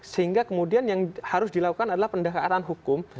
sehingga kemudian yang harus dilakukan adalah pendekatan hukum